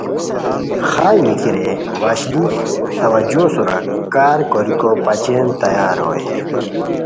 خائے میکی رے وشلی توجہو سورا کار کوریکو بچین تیار ہوئے